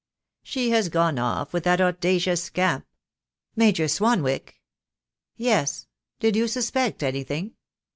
"She has gone off with that audacious scamp." "Major Swanwick?" "Yes. Did you suspect anything?"